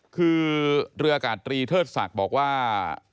คือเรืออากาศตรีเทิดศักดิ์บอกว่า